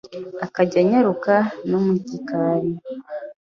akajya anyaruka no mu gikari